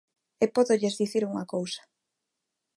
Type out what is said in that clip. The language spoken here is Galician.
Eu pódolles dicir unha cousa.